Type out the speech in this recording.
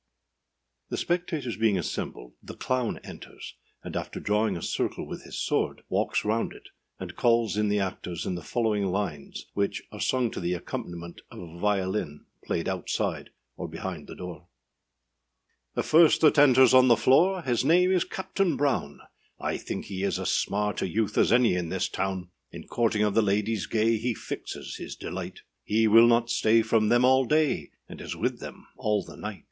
] The spectators being assembled, the CLOWN enters, and after drawing a circle with his sword, walks round it, and calls in the actors in the following lines, which are sung to the accompaniment of a violin played outside, or behind the door. THE first that enters on the floor, His name is Captain Brown; I think he is as smart a youth As any in this town: In courting of the ladies gay, He fixes his delight; He will not stay from them all day, And is with them all the night.